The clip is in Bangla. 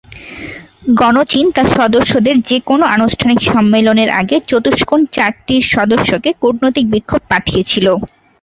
গণচীন তার সদস্যদের যে কোনও আনুষ্ঠানিক সম্মেলনের আগে চতুষ্কোণ চারটির সদস্যকে কূটনৈতিক বিক্ষোভ পাঠিয়েছিল।